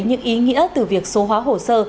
những ý nghĩa từ việc số hóa hồ sơ